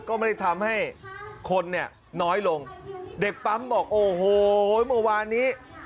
ก็ไม่ได้ทำให้คนเนี่ยน้อยลงเด็กปั๊มบอกโอ้โหเมื่อวานนี้